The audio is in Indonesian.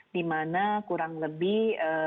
dimana kurang lebih